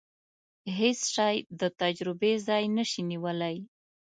هیڅ شی د تجربې ځای نشي نیولای.